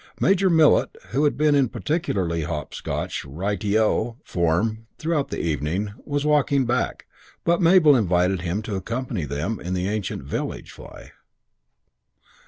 Major Millet, who had been in particularly hopscotch, Ri te O! form throughout the evening, was walking back, but Mabel invited him to accompany them in the ancient village fly.